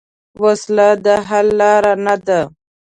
وسله د حل لار نه ده